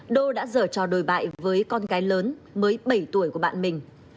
đô đã dở trò đồi bại với con cái lớn mới bảy tuổi của bạn mình